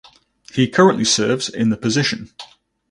He currently serves in the position.